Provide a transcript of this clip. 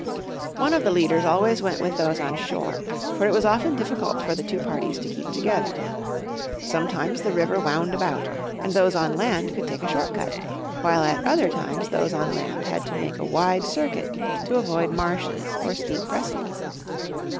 One of the leaders always went with those on shore. For it was often difficult for the two parties to keep together. Sometimes the river wound about, and those on land could take a short cut, while at other times those on land had to make a wide circuit to avoid marshes or steep precipices.